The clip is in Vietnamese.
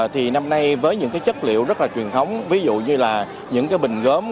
thì năm nay với những cái chất liệu rất là truyền thống ví dụ như là những cái bình gớm